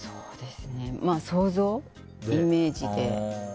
想像、イメージで。